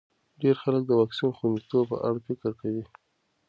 ډېر خلک د واکسین د خونديتوب په اړه فکر کوي.